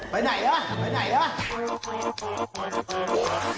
ไปไหนเหรอไปไหนเหรอ